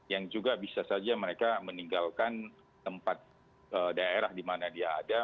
yang juga bisa saja mereka meninggalkan tempat daerah di mana dia ada